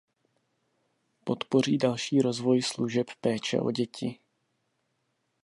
Podpoří další rozvoj služeb péče o děti.